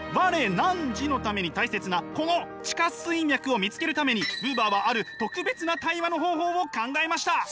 「我−汝」のために大切なこの地下水脈を見つけるためにブーバーはある特別な対話の方法を考えました。